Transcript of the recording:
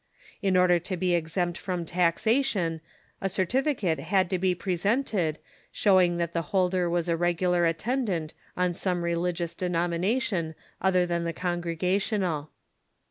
In order to be exempt from taxation, a certificate had to be pre sented showing that the holder was a regular attendant on some religious denomination other than the Congregational.